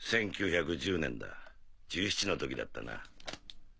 １９１０年だ１７の時だったな。